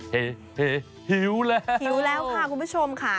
หิวแล้วหิวแล้วค่ะคุณผู้ชมค่ะ